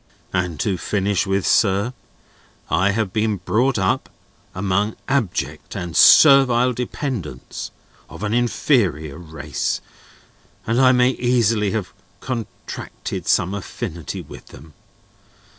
"And to finish with, sir: I have been brought up among abject and servile dependents, of an inferior race, and I may easily have contracted some affinity with them.